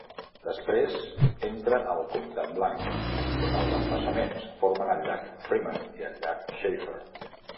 Després entra al comtat blanc, on els embassaments formen el llac Freeman i el llac Shafer.